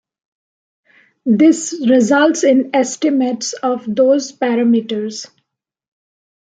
This results in estimates of those parameters.